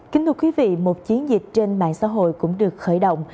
kính thưa quý vị một chiến dịch trên mạng xã hội cũng được khởi động